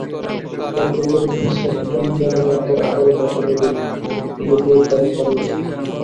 পরে চলতি বছরের সেপ্টেম্বরে রাতের আঁধারে কার্যালয় গুটিয়ে তাঁরা পালিয়ে যান।